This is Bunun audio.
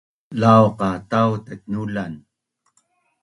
Lau qa tau taitnulan